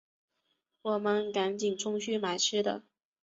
我们赶快冲去买吃的